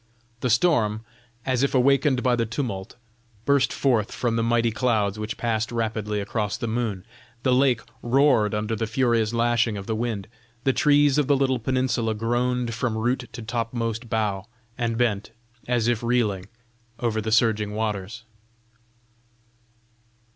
The storm, as if awakened by the tumult, burst forth from the mighty clouds which passed rapidly across the moon; the lake roared under the furious lashing of the wind; the trees of the little peninsula groaned from root to topmost bough, and bent, as if reeling, over the surging waters.